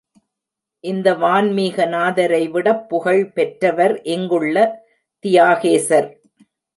இந்த வன்மீகநாதரை விடப் புகழ் பெற்றவர் இங்குள்ள தியாகேசர்.